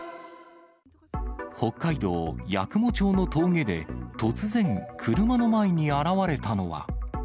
北海道八雲町の峠で、突然、車の前に現れたのは。